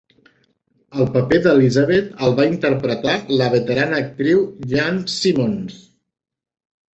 El paper d'Elisabet el va interpretar la veterana actriu Jean Simmons.